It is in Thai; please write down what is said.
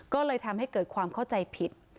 ก็เลยทำให้เกิดความเข้าใจผิด